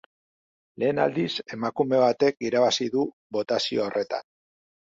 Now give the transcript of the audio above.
Lehen aldiz, emakume batek irabazi du botazio horretan.